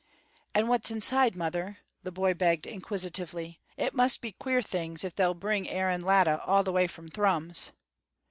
"And what's inside, mother?" the boy begged, inquisitively. "It must be queer things if they'll bring Aaron Latta all the way from Thrums."